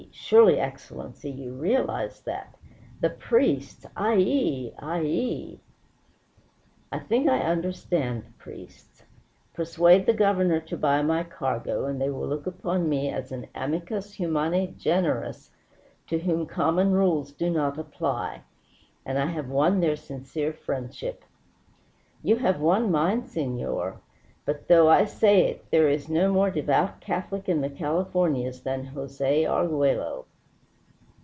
Surely, Excellency, you realize that? The priests! Ay yi! Ay yi!" "I think I understand the priests. Persuade the Governor to buy my cargo and they will look upon me as an amicus humani generis to whom common rules do not apply. And I have won their sincere friendship." "You have won mine, senor. But, though I say it, there is no more devout Catholic in the Californias than Jose Arguello.